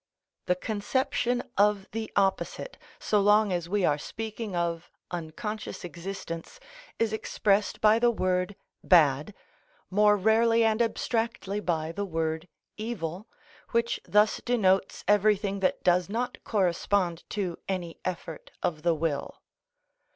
The conception of the opposite, so long as we are speaking of unconscious existence, is expressed by the word bad, more rarely and abstractly by the word evil, which thus denotes everything that does not correspond to any effort of the will.